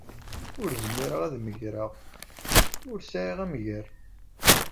Ur zmireɣ ad megreɣ. Ur sɛiɣ amger.